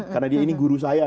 karena dia ini guru saya